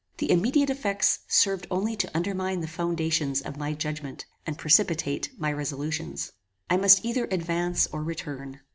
The immediate effects served only to undermine the foundations of my judgment and precipitate my resolutions. I must either advance or return.